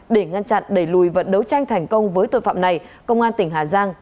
để ngăn chặn đẩy lùi và đấu tranh thành công với tội phạm này công an tỉnh hà giang